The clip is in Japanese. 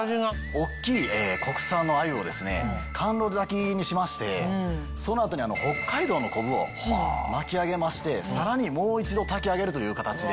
大っきい国産の鮎を甘露炊きにしましてその後に北海道の昆布を巻き上げましてさらにもう一度炊き上げるという形で。